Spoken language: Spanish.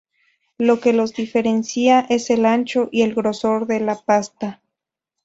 Lo que los diferencia es el ancho y el grosor de la pasta.